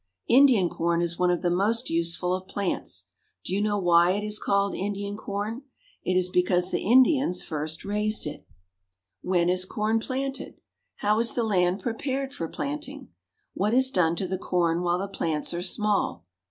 Indian corn is one of the most useful of plants. Do you know why it is called Indian corn? It is because the Indians first raised it. When is corn planted? How is the land prepared for planting? What is done to the corn while the plants are small?